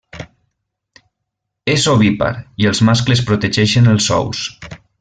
És ovípar i els mascles protegeixen els ous.